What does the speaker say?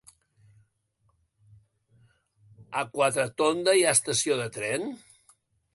A Quatretonda hi ha estació de tren?